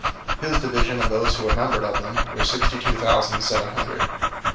002:026 His division, and those who were numbered of them, were sixty two thousand seven hundred.